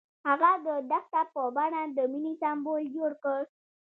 هغه د دښته په بڼه د مینې سمبول جوړ کړ.